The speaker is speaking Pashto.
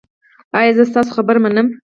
ایا زه ستاسو خبره منم؟